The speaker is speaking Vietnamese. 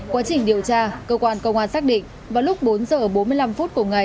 quá trình điều tra cơ quan công an xác định vào lúc bốn giờ bốn mươi năm phút của ngày